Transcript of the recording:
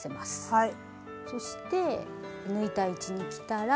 はい。